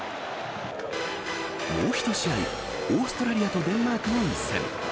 もう一試合オーストラリアとデンマークの一戦。